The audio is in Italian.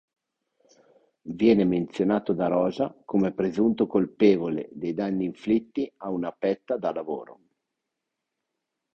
Viene menzionato da Rosa come presunto colpevole dei danni inflitti a un'apetta da lavoro.